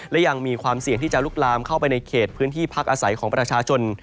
และยังมีความเสี่ยงที่จะลุกลามเข้าไปในเขตพื้นที่พักอาศัยของประชาชน